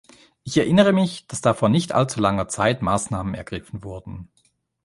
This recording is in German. Ich erinnere mich, dass da vor nicht allzu langer Zeit Maßnahmen ergriffen wurden.